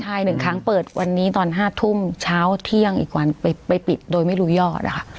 ใช่๑ครั้งเปิดวันนี้ตอน๕ทุ่มเช้าเที่ยงอีกวันไปปิดโดยไม่รู้ยอดอะค่ะ